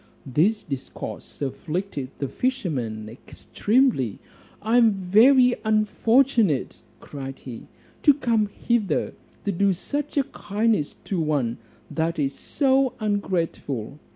This discourse afflicted the fisherman extremely: "I am very unfortunate," cried he, "to come hither to do such a kindness to one that is so ungrateful.